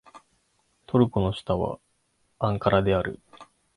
トルコの首都はアンカラである